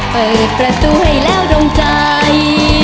เปิดประตูให้แล้วดงใจ